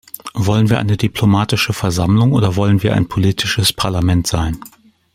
Wollen wir eine diplomatische Versammlung oder wollen wir ein politisches Parlament sein?